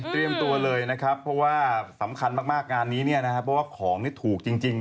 เตรียมตัวเลยพอว่าสำคัญมากงานนี้พอว่าของถูกจริง